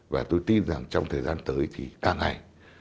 và tôi tin rằng trong thời gian tới thì càng ngày